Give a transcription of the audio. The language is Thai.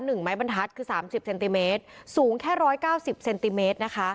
ไม้บรรทัศน์คือสามสิบเซนติเมตรสูงแค่ร้อยเก้าสิบเซนติเมตรนะคะ